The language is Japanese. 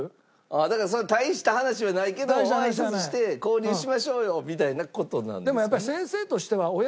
だから大した話はないけどごあいさつして交流しましょうよみたいな事なんですね。